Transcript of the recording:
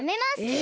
え！